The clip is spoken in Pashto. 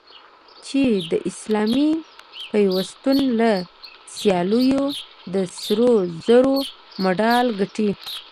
چې د اسلامي پیوستون له سیالیو د سرو زرو مډال ګټي